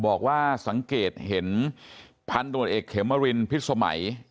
บอกว่าสังเกตเห็นพันตรวจเอกเขมรินพิษสมัย